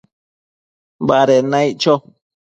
baded naic cho